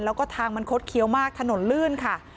แล้วก็ทางมันคดเคี้ยวมากถนนลื่นค่ะ